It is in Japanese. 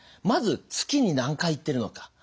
まず月に何回行ってるのか。